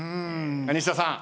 西田さん